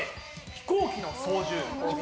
飛行機の操縦。